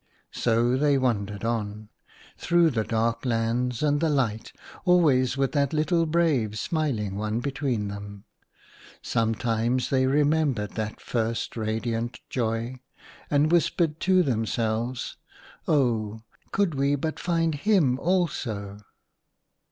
So they wandered on, through the dark lands and the light, always with that little brave smiling one between them. Sometimes they remembered that first radiant Joy, and whispered to themselves, " Oh ! could we but find him also